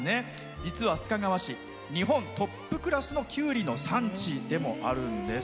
実は須賀川市日本トップクラスのきゅうりの産地でもあるんです。